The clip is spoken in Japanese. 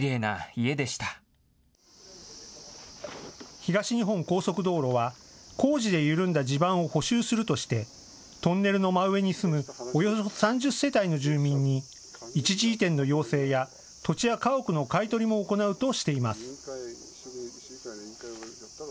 東日本高速道路は、工事で緩んだ地盤を補修するとしてトンネルの真上に住むおよそ３０世帯の住民に一時移転の要請や土地や家屋の買い取りも行うとしています。